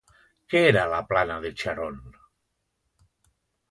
Què era la plana de Xaron?